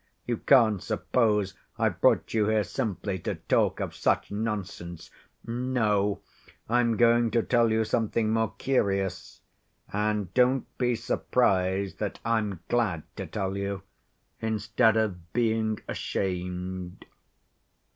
You can't suppose I brought you here simply to talk of such nonsense. No, I'm going to tell you something more curious; and don't be surprised that I'm glad to tell you, instead of being ashamed."